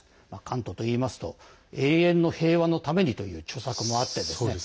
カントといいますと「永遠の平和のために」という著作もあってですね